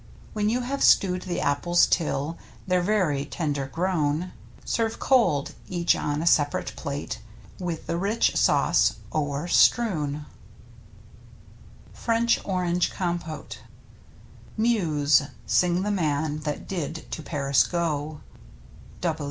When you have stewed the apples till They've very tender grown, Serve cold, each on a sep'rate plate. With the rich sauce o'erstrewn. [^^ FRENCH ORANGE COMPOTE Muse, sing the man that did to Paris go.